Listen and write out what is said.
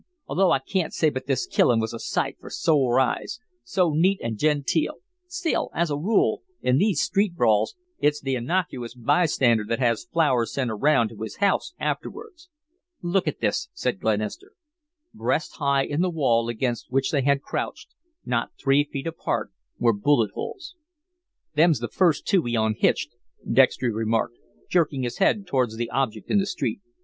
Although I can't say but this killin' was a sight for sore eyes so neat an' genteel still, as a rule, in these street brawls it's the innocuous bystander that has flowers sent around to his house afterwards." "Look at this," said Glenister. Breast high in the wall against which they had crouched, not three feet apart, were bullet holes. "Them's the first two he unhitched," Dextry remarked, jerking his head towards the object in the street.